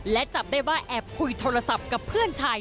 และจับได้ว่าแอบคุยโทรศัพท์กับเพื่อนชาย